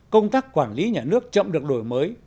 công tác quản lý nhà nước chậm được đổi mới